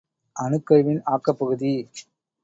அணுக் கருவின் ஆக்கப் பகுதி.